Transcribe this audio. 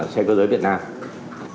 xe cơ giới việt nam